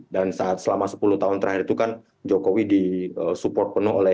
dan saat selama sepuluh tahun terakhir itu kan jokowi disupport penuh oleh